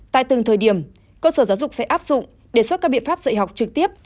tại từng thời điểm cơ sở giáo dục sẽ áp dụng đề xuất các biện pháp dạy học trực tiếp